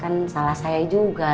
kan salah saya juga